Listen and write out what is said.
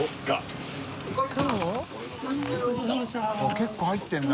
△結構入ってるな。